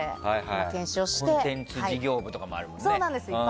コンテンツ事業部とかもあるもんね。